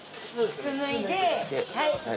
靴脱いで。